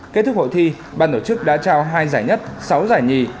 kết thúc hội thi ban tổ chức đã trao hai giải nhất sáu giải nhì